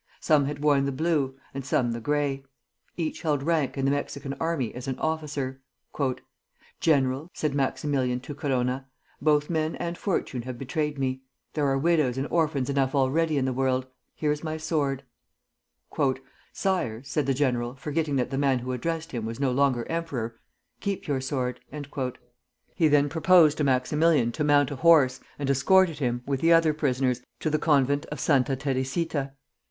Some had worn the blue, and some the gray. Each held rank in the Mexican army as an officer. "General," said Maximilian to Corona, "both men and fortune have betrayed me. There are widows and orphans enough already in the world. Here is my sword." "Sire," said the general, forgetting that the man who addressed him was no longer emperor, "keep your sword." He then proposed to Maximilian to mount a horse, and escorted him, with the other prisoners, to the convent of Santa Teresita.